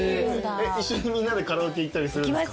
一緒にみんなでカラオケ行ったりするんですか。